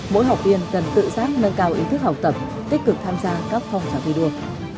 mỗi học viên cần tự giác nâng cao ý thức học tập tích cực tham gia các phong trào thi đua